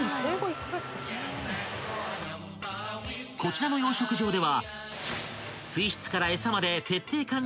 ［こちらの養殖場では］